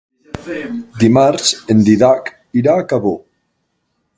Dimarts en Dídac irà a Cabó.